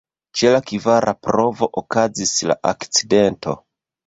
Ĉe la kvara provo okazis la akcidento.